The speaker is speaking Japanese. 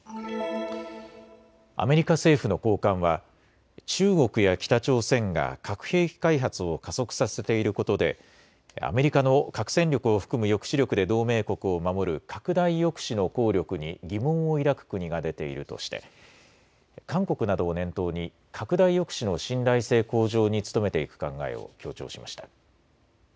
アメリカ政府の高官は中国や北朝鮮が核兵器開発を加速させていることでアメリカの核戦力を含む抑止力で同盟国を守る拡大抑止の効力に疑問を抱く国が出ているとして韓国などを念頭に拡大抑止の信頼性向上に努めていく考えを強調しました。